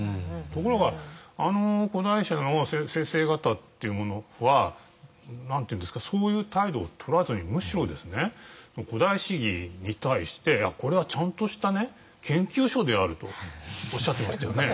ところがあの古代史の先生方っていうのはそういう態度をとらずにむしろ「古代史疑」に対してこれはちゃんとした研究書であるとおっしゃってましたよね。